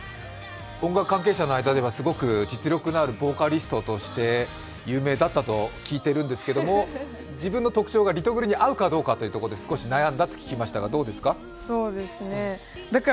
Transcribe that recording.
音楽関係者の間ではすごく実力のあるボーカリストとして有名だったと聞いているんですけど、自分の特徴がリトグリに合うかで少し悩んだと聞きましたが、どうですか？